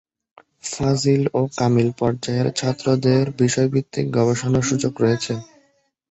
ফাজিল ও কামিল পর্যায়ের ছাত্রদের বিষয়ভিত্তিক গবেষণার সুযোগ রয়েছে।